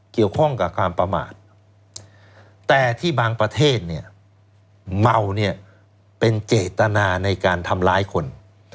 เกี่ยวข้องกับความประมาทแต่ที่บางประเทศเนี่ยเมาเนี่ยเป็นเจตนาในการทำร้ายคน